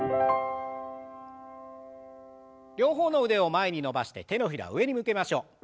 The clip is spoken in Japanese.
両方の腕を前に伸ばして手のひらを上に向けましょう。